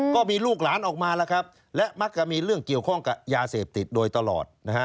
ก็มีลูกหลานออกมาแล้วครับและมักจะมีเรื่องเกี่ยวข้องกับยาเสพติดโดยตลอดนะฮะ